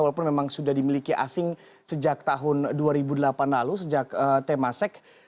walaupun memang sudah dimiliki asing sejak tahun dua ribu delapan lalu sejak temasek